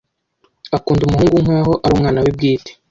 Akunda umuhungu nkaho ari umwana we bwite.